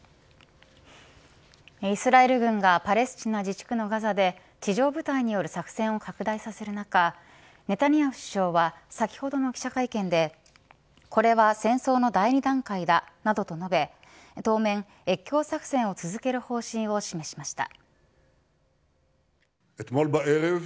イスラエル軍がパレスチナ自治区のガザで地上部隊による作戦を拡大させる中ネタニヤフ首相は先ほどの記者会見でこれは戦争の第２段階だ、などと述べ当面、越境作戦を続ける方針を示しました。